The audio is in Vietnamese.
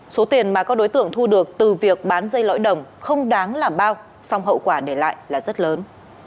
số tiền mà các đối tượng thu được từ việc bán dây lõi đồng không đáng làm bao song hậu quả để lại là rất lớn